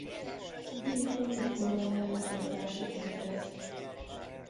Milito négy góllal járult hozzá a sikerhez.